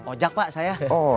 ojak pak saya